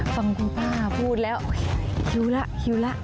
ฟังคุณป้าพูดแล้วโอเคคิวแล้ว